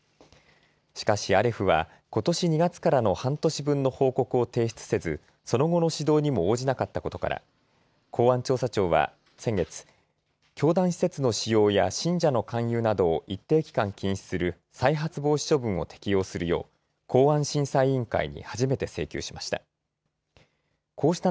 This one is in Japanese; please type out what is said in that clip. しかしアレフはことし２月からの半年分の報告を提出せず、その後の指導にも応じなかったことから公安調査庁は先月、教団施設の使用や信者の勧誘などを一定期間禁止する再発防止処分を適用するよう公安審査委員会に初めて請求しました。